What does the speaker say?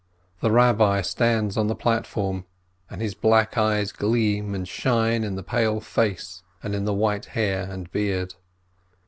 The Eabbi stands on the platform, and his black eyes gleam and shine in the pale face and in the white hair and beard.